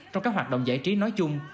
trong các hoạt động giải trí nói chung